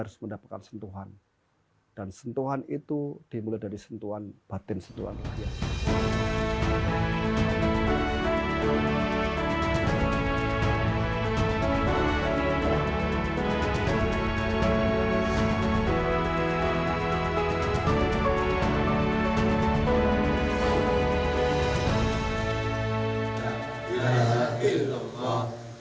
harus mendapatkan sentuhan dan sentuhan itu dimulai dari sentuhan batin setelah melihat